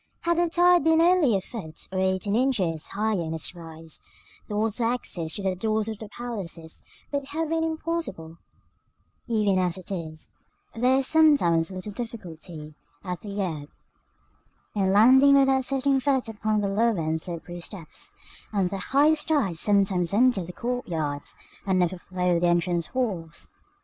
Had the tide been only a foot or eighteen inches higher in its rise, the water access to the doors of the palaces would have been impossible: even as it is, there is sometimes a little difficulty, at the ebb, in landing without setting foot upon the lower and slippery steps: and the highest tides sometimes enter the courtyards, and overflow the entrance halls.